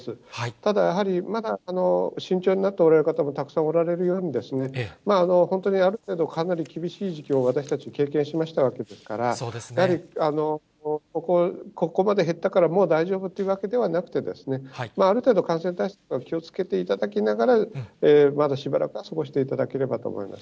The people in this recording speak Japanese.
ただ、やはりまだ慎重になっておられる方もたくさんおられるように、本当にある程度、かなり厳しい時期を私たち経験しましたわけですから、やはり、ここまで減ったからもう大丈夫というわけではなくて、ある程度、感染対策を気をつけていただきながら、まだしばらくは過ごしていただければと思います。